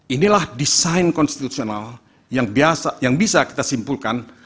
inilah desain konstitusional yang bisa kita simpulkan